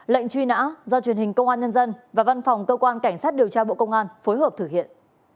lệnh truy nã do truyền hình công an nhân dân và văn phòng cơ quan cảnh sát điều tra bộ công an phối hợp thực hiện